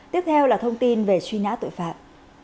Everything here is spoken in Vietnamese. tiếp theo là thông tin về truy nã tội phạm